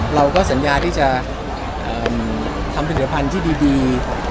เราก็สัญญาที่จะทำผลิตภัณฑ์ที่ดี